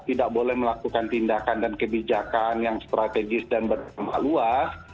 tidak boleh melakukan tindakan dan kebijakan yang strategis dan berdampak luas